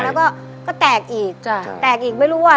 แล้วก็ก็แตกอีกแตกอีกไม่รู้ว่า